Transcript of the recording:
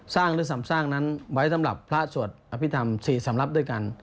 หรือสำสร้างนั้นไว้สำหรับพระสวดอภิษฐรรม๔สำรับด้วยกัน